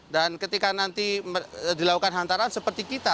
dan ketika nanti dilakukan hantaran seperti kita